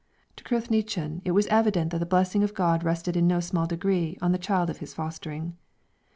To Cruithnechan it was evident that the blessing of God rested in no small degree on the child of his fostering.